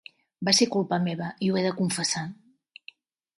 Va ser culpa meva i ho he de confessar.